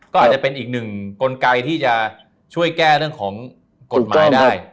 ก็อาจจะเป็นอีกหนึ่งกลไกที่จะช่วยแก้เรื่องของกฎหมายได้